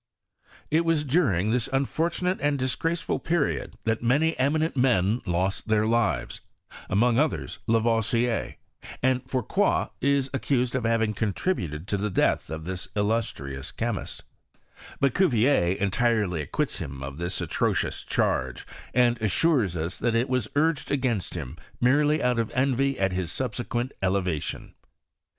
I 170 STSFOKT m (sxanvrar. It was duriag this unfortunate and disgraceful period, that many eminent men lost their lives; among others, Lavoisier; and Fourcroy is accused of having contributed to the death of this illuslrioas chemist: but CuTier entirely acquits him of this atrocious charge, and assures us that it was urged against hira merely out of envy at his subsequent ele TBtion.